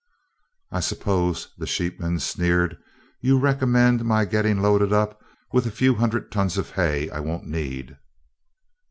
"I suppose," the sheepman sneered, "you'd recommend my gettin' loaded up with a few hundred tons of hay I won't need."